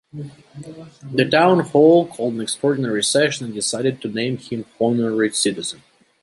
The Town Hall called an extraordinary session and decided to name him Honorary Citizen.